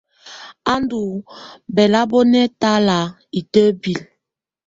Á ndɔ́ bɛ́lábɔ́nɛ̀á talá itǝ́bilǝ.